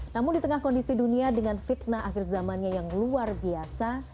namun di tengah kondisi dunia dengan fitnah akhir zamannya yang luar biasa